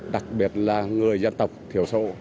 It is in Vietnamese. đặc biệt là người dân tộc thiểu sổ